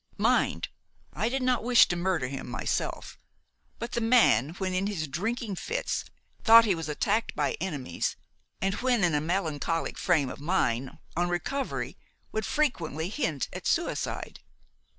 "Mind, I did not wish to murder him myself; but the man, when in his drinking fits, thought he was attacked by enemies, and when in a melancholic frame of mind, on recovery, would frequently hint at suicide.